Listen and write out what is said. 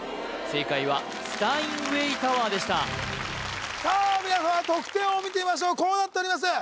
正解はスタインウェイ・タワーでした皆さん得点を見てみましょうこうなっております